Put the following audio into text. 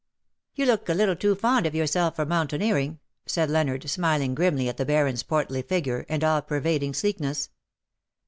" You look a little too fond of yourself for mountaineering/' said Leonard, smiling grimly at tlie Baron^s portly figure, and all pervading sleek ness.